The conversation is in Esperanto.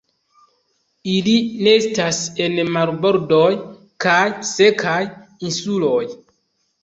Ili nestas en marbordoj kaj sekaj insuloj.